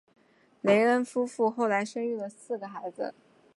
雷恩夫妇后来生育了四个孩子。